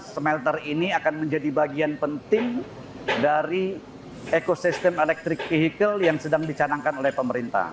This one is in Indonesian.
smelter ini akan menjadi bagian penting dari ekosistem electric vehicle yang sedang dicanangkan oleh pemerintah